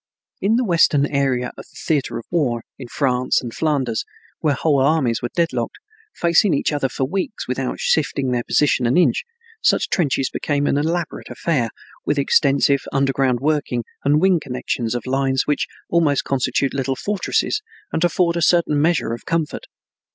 In the western area of the theater of war, in France and Flanders, where whole armies were deadlocked, facing each other for weeks without shifting their position an inch, such trenches become an elaborate affair, with extensive underground working and wing connections of lines which almost constitute little fortresses and afford a certain measure of comfort.